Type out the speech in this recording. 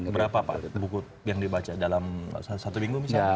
berapa pak buku yang dibaca dalam satu minggu misalnya